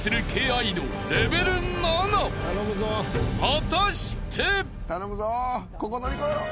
［果たして？］